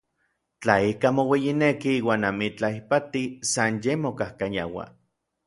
Tla ikaj moueyineki iuan amitlaj ipati, san yej mokajkayaua.